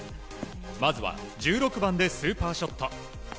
まずは１６番でスーパーショット。